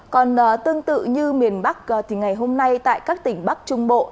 còn tương tự như miền bắc thì ngày hôm nay tại các tỉnh bắc trung bộ